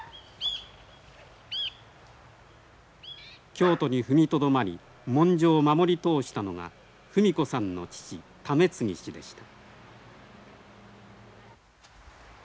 京都に踏みとどまり文書を守り通したのが布美子さんの父為系氏でした。